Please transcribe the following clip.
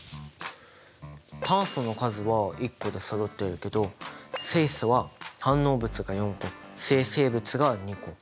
炭素の数は１個でそろっているけど水素は反応物が４個生成物が２個。